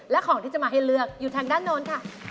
และของที่จะมาให้เลือกอยู่ทางด้านโน้นค่ะ